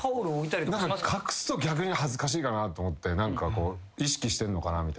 隠すと逆に恥ずかしいかなと思って意識してんのかなみたいな。